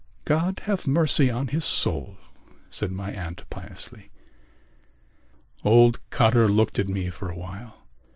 "God have mercy on his soul," said my aunt piously. Old Cotter looked at me for a while.